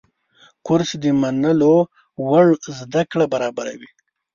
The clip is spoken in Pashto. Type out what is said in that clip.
کورس د منلو وړ زده کړه برابروي.